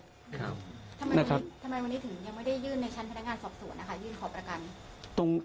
ทำไมวันนี้ถึงไม่ได้ยื่นก็ยื่นทางโพระกัน